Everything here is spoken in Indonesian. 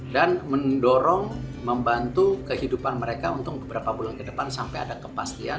mendorong membantu kehidupan mereka untuk beberapa bulan ke depan sampai ada kepastian